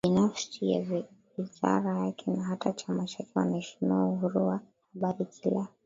yeye binafsi na wizara yake na hata chama chake wanaheshimu Uhuru wa Habari kila